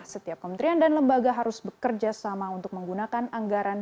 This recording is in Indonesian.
setiap kementerian dan lembaga harus bekerja sama untuk menggunakan anggaran